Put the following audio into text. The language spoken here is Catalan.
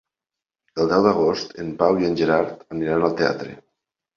El deu d'agost en Pau i en Gerard aniran al teatre.